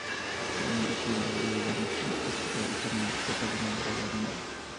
Era un biplano de dos vanos con casco fabricado de chapa de madera laminada.